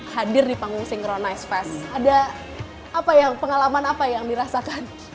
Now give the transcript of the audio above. hadir di panggung synchronize fest ada pengalaman apa yang dirasakan